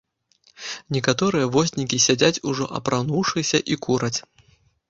Некаторыя вознікі сядзяць, ужо апрануўшыся, і кураць.